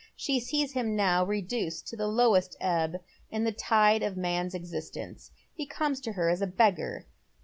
She sees him now reduced to the lowest ebb in the tide of man's existence. He comes to her as a beggar.